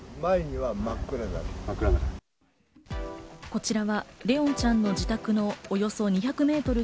こちらは怜音ちゃんの自宅のおよそ２００メートル